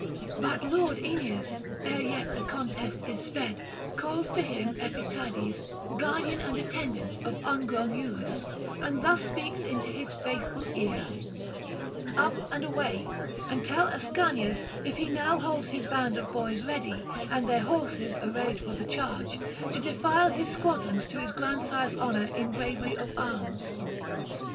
But lord Aeneas, ere yet the contest is sped, calls to him Epytides, guardian and attendant of ungrown Iülus, and thus speaks into his faithful ear: 'Up and away, and tell Ascanius, if he now holds his band of boys ready, and their horses arrayed for the charge, to defile his squadrons to his grandsire's honour in bravery of arms.'